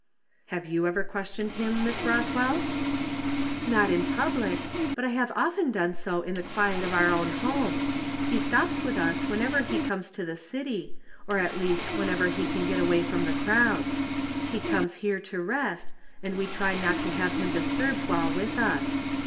" Have you ever questioned him, ]\Iiss Roth well ?"" Not in public ; but I have often done so in the quiet of our own home. He stops with us whenever he comes to the city, or at least when ever he can get away from the crowds ; he comes here to rest, and we try not to have him disturbed while with us.